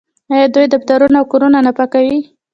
آیا دوی دفترونه او کورونه نه پاکوي؟